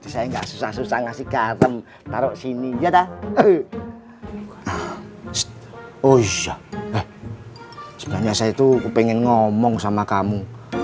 sebenarnya saya itu pengen ngomong sama kamu